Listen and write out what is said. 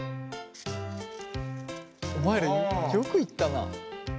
お前らよくいったな。